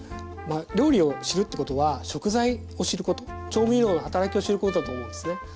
料理を知るってことは食材を知ること調味料の働きを知ることだと思うんですね。